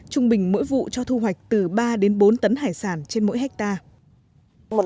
trung bình mỗi vụ cho thu hoạch từ ba đến bốn tấn hải sản trên mỗi hectare